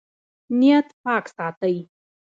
نیت پاک ساتئ